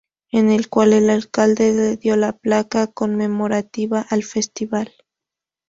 En el cual el Alcalde le dio la Placa conmemorativa al festival.